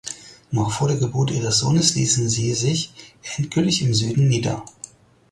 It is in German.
Noch vor der Geburt ihres Sohnes ließen sie sich endgültig im Süden nieder.